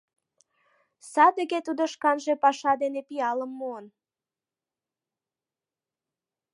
Садыге тудо шканже паша дене пиалым муын.